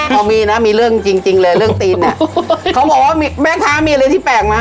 พอมีนะมีเรื่องจริงจริงเลยเรื่องตีนเนี่ยเขาบอกว่าแม่ค้ามีอะไรที่แปลกไหม